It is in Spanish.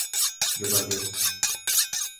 yo partí